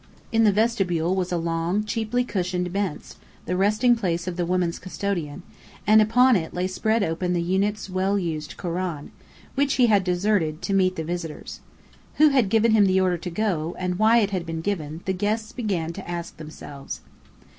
In the vestibule was a long, cheaply cushioned bench, the resting place of the women's custodian; and upon it lay spread open the eunuch's well used koran, which he had deserted to meet the visitors. Who had given him the order to go, and why it had been given, the guests began to ask themselves.